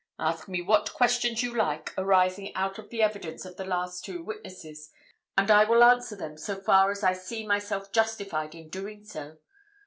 Ask me what questions you like, arising out of the evidence of the last two witnesses, and I will answer them so far as I see myself justified in doing so.